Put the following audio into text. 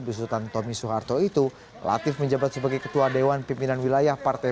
besutan tommy soeharto itu latif menjabat sebagai ketua dewan pimpinan wilayah partai